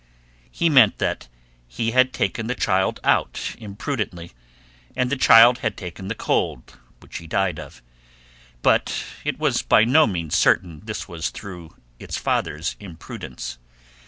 He meant that he had taken the child out imprudently, and the child had taken the cold which he died of, but it was by no means certain this was through its father's imprudence.